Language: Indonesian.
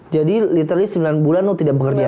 jadi literally sembilan bulan lo tidak bekerja